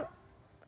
ya hanya indonesia